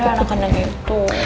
padahal enakan yang itu